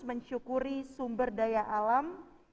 mencukuri sumber daya alam